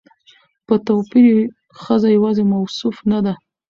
په توپير ښځه يواځې موصوف نه ده